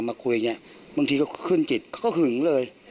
มาคุยอย่างนี้บางทีก็ขึ้นจิตเขาก็หึงเลย